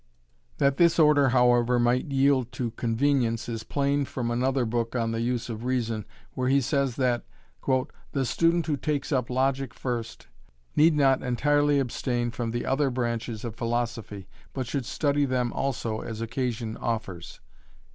That this order however might yield to convenience is plain from another book on the use of reason, where he says that 'the student who takes up logic first need not entirely abstain from the other branches of philosophy, but should study them also as occasion offers.'